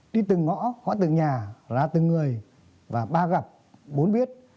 đi từng ngõ gõ từng nhà ra từng người và ba gặp bốn biết